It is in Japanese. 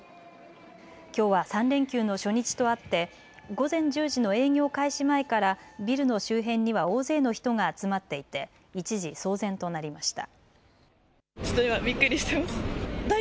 きょうは３連休の初日とあって午前１０時の営業開始前からビルの周辺には大勢の人が集まっていて一時、騒然となりました。